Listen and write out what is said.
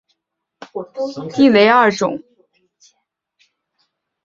反步兵地雷又可以分为爆炸式地雷或是碎片式地雷二种。